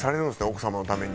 奥様のために。